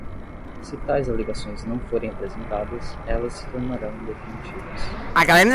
Se tais alegações não forem apresentadas, elas se tornarão definitivas.